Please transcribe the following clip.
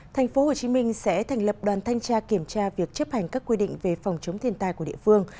thành phố hồ chí minh sẽ thành lập đoàn thanh tra kiểm tra việc chấp hành các quy định về phòng chống thiên tai của địa phương